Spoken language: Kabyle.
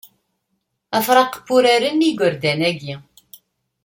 Afraq n wuraren i yigerdan-agi.